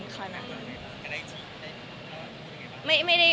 กับไอจีร์ได้กระทั่ง